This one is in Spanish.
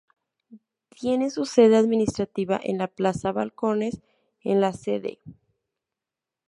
Tiene su sede administrativa en Plaza Balcones, en la Cd.